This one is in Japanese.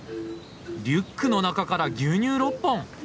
リュックの中から牛乳６本！